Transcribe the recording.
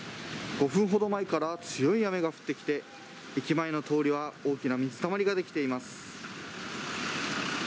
５分ほど前から強い雨が降ってきて、駅前の通りは大きな水たまりが出来ています。